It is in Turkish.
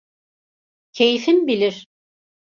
Keyfin bilir.